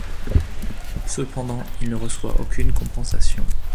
Cependant, il ne reçoit aucune compensation.